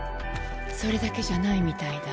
それだけじゃないみたいだ。